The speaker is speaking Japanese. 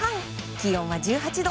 気温は１８度。